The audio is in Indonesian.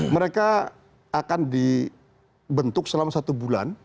mereka akan dibentuk selama satu bulan